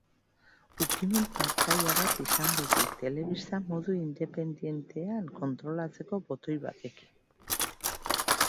Ukimen pantaila bat izango du, telebista modu independentean kontrolatzeko botoi batekin.